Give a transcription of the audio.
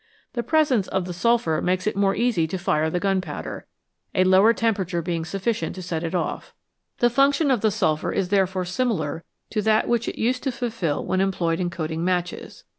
The presence of the sulphur makes it more easy to fire the gunpowder, a lower temperature being sufficient to set it off'; the function of the sulphur is therefore similar to that which it used to fulfil when employed in coating matches.